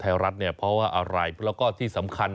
ทายรัฐเนี่ย